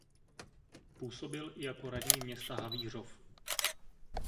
Působil i jako radní města Havířov.